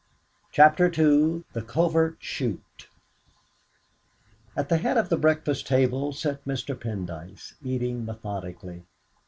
CHAPTER II THE COVERT SHOOT At the head of the breakfast table sat Mr. Pendyce, eating methodically.